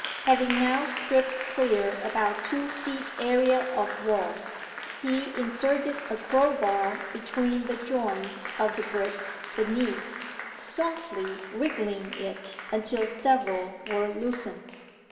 Having now stripped clear about two feet area of wall, he inserted a crowbar between the joints of the bricks beneath, softly wriggling it until several were loosened.